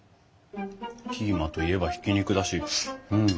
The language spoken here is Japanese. キーマといえばひき肉だしうん。